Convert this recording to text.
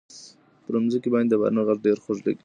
پر مځکي باندي د باران غږ ډېر خوږ لګېدی.